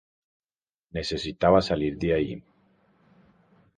Necesitaba salir de ahí.